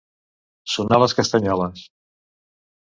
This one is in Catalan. Sonar les castanyoles.